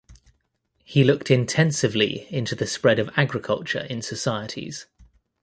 He looked intensively into the spread of agriculture in societies.